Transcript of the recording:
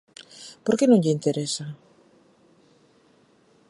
Por que non lle interesa?